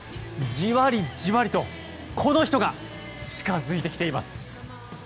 じわりじわりとこの人が近づいてきています。